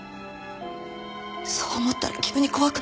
そう思ったら急に怖くなって。